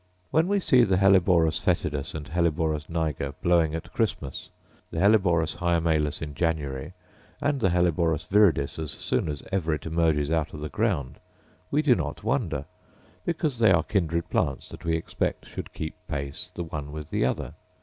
When we see the helleborus foetidus and helleborus niger blowing at Christmas, the helleborus hyemalis in January, and the helleborus viridis as soon as ever it emerges out of the ground, we do not wonder, because they are kindred plants that we expect should keep pace the one with the other.